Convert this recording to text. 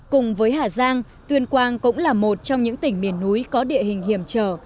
cùng với hà giang tuyên quang cũng là một trong những tỉnh miền núi có địa hình hiểm trở